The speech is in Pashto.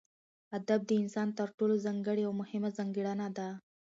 ادب دانسان تر ټولو ځانګړې او مهمه ځانګړنه ده